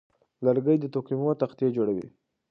لرګی د تقویمو تختې جوړوي.